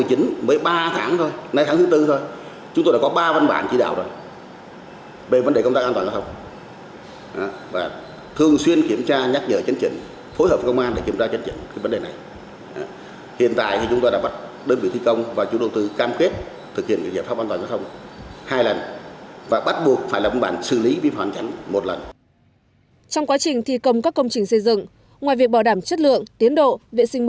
trong năm hai nghìn một mươi tám và hai nghìn một mươi chín chúng tôi có rất nhiều văn bản chỉ đạo cho chủ đầu tư và đơn vị thi công thực hiện bảo đảm an toàn